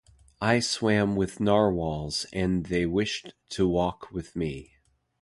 I swam with narwhals, and they wished to walk with me.